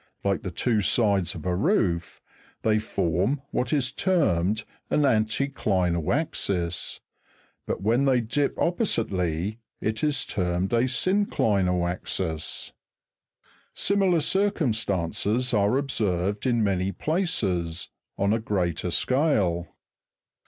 261), like the two sides of a roof, they form what is termed an anteclinal axis ; but when they dip Fig. 262. , oppositely, it is termed a synclinal axis (fig. 262). Similar circumstances are observed in many places, on a greater scale.